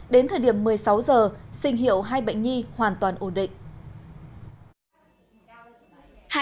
đến thời điểm một mươi sáu giờ sinh hiệu hai bệnh nhi hoàn toàn ổn định